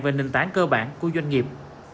về nền tảng cơ bản của doanh nghiệp